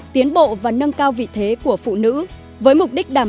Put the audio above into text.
tiến bộ và nâng cao vị thế của người khuyết tật